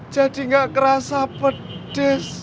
jadi gak kerasa pedes